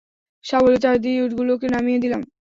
শাবলের চাড় দিয়ে ইটগুলোকে নামিয়ে নিলাম।